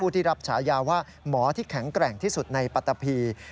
ที่รับฉายาว่าหมอที่แข็งแกร่งที่สุดในปัตตะพี